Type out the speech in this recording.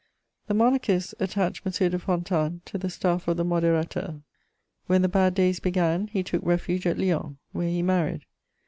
The monarchists attached M. de Fontanes to the staff of the Modérateur. When the bad days began, he took refuge at Lyons, where he married.